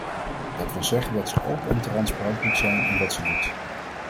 Dat wil zeggen dat ze open en transparant moet zijn in wat ze doet.